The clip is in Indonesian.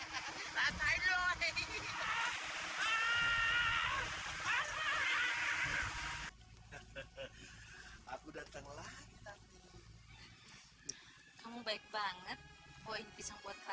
hai oh ini bisa